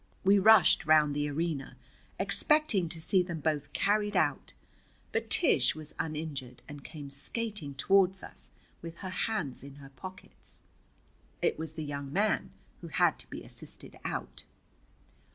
We rushed round the arena, expecting to see them both carried out, but Tish was uninjured, and came skating toward us with her hands in her pockets. It was the young man who had to be assisted out.